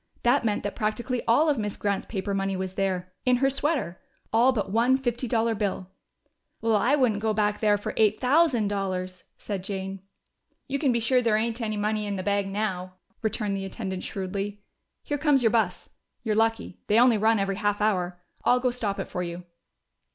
That meant that practically all of Miss Grant's paper money was there in her sweater! All but one fifty dollar bill! "Well, I wouldn't go back there for eight thousand dollars!" said Jane. "You can be sure there ain't any money in the bag now," returned the attendant shrewdly. "Here comes your bus. You're lucky: they only run every half hour.... I'll go stop it for you."